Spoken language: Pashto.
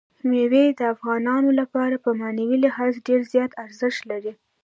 مېوې د افغانانو لپاره په معنوي لحاظ ډېر زیات ارزښت لري.